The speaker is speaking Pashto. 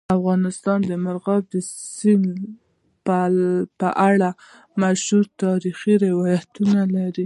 افغانستان د مورغاب سیند په اړه مشهور تاریخی روایتونه لري.